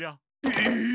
えっ！